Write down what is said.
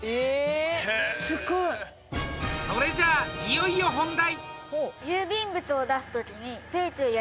それじゃいよいよ本題。